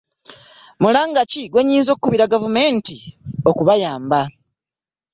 Mulanga ki gw'oyinza okukubira gavumenti okubayamba?